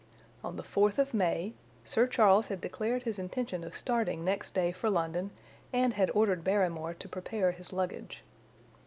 On the fourth of May Sir Charles had declared his intention of starting next day for London, and had ordered Barrymore to prepare his luggage.